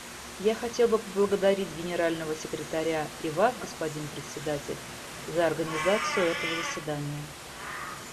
Я хотел бы поблагодарить Генерального секретаря и Вас, господин Председатель, за организацию этого заседания.